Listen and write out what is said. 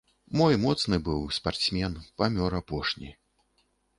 Мой моцны быў, спартсмен, памёр апошні.